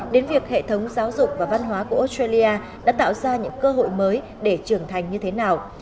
đến việc hệ thống giáo dục và văn hóa của australia đã tạo ra những cơ hội mới để trưởng thành như thế nào